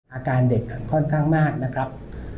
อาการเด็กค่อนข้างมากนะครับ